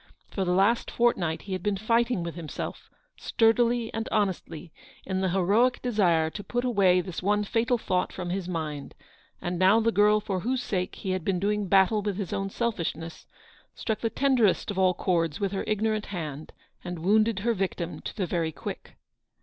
For the last fortnight he had been fighting with himself — sturdily and honestly — in the heroic desire to put away this one fatal thought from his mind; and now the girl for whose sake he had been doing battle with his own selfishness, struck the tenderest of all chords with her ignorant hand, and wounded her victim to the very quick.